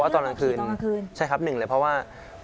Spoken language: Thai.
ก็เลยเลือกวิ่งกากขี่ตอนกลางคืน